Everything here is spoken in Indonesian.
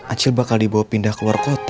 acil bakal dibawa pindah ke luar kota